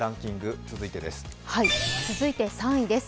続いて３位です。